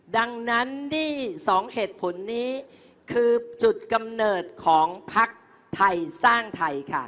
ดังนั้นที่สองเหตุผลนี้คือจุดกำเนิดของพรรคไทย